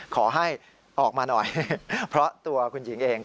ขอให้ออกมาหน่อยเพราะตัวคุณหญิงเอง